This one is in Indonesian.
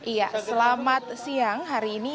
iya selamat siang hari ini